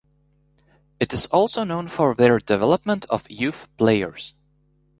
It is also known for their development of youth players.